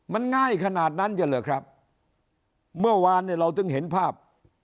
มันง่ายขนาดนั้นจะเหรอครับเมื่อวานเนี่ยเราถึงเห็นภาพ